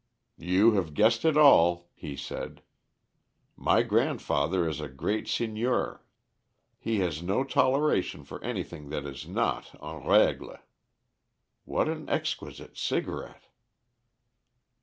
"You have guessed it all," he said. "My grandfather is a grand seigneur. He has no toleration for anything that is not en règle. What an exquisite cigarette!"